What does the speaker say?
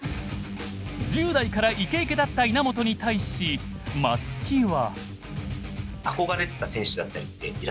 １０代からイケイケだった稲本に対し松木は。